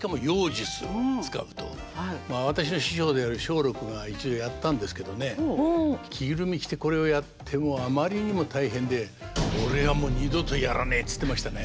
まあ私の師匠である松緑が一度やったんですけどね着ぐるみ着てこれをやってあまりにも大変でって言ってましたね。